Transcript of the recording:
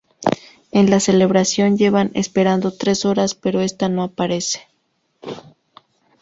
En la celebración, llevan esperando tres horas, pero esta no aparece.